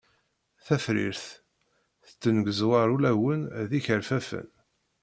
Tafrirt tettengeẓwaṛ ulawen d ikerfafen.